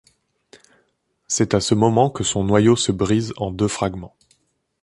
C'est à ce moment que son noyau se brise en deux fragments.